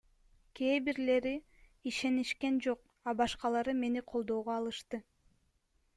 Кээ бирлери ишенишкен жок, а башкалары мени колдоого алышты.